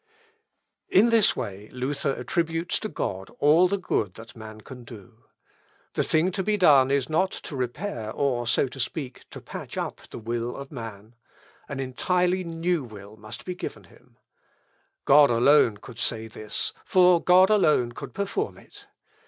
" Luth. Op. Lips. xvii, p. 143, et Op. Lat. i. In this way Luther attributes to God all the good that man can do. The thing to be done is not to repair, or, so to speak, to patch up the will of man; an entirely new will must be given him. God alone could say this; for God alone could perform it.